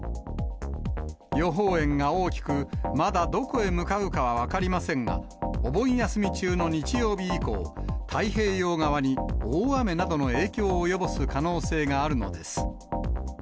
予報円が大きく、まだどこへ向かうかは分かりませんが、お盆休み中の日曜日以降、太平洋側に大雨などの影響を及ぼす可能性があるのです。